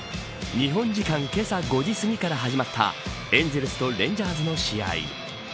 日本時間けさ５時すぎから始まったエンゼルスとレンジャーズの試合。